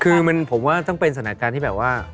คือผมว่าต้องเป็นสถานการณ์ที่แบบว่า